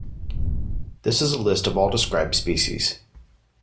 This is a list of all described species.